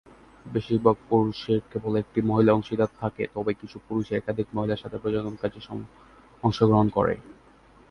বেশিরভাগ পুরুষের কেবল একটি মহিলা অংশীদার থাকে তবে কিছু পুরুষ একাধিক মহিলার সাথে প্রজনন কাজে অংশগ্রহণ করে।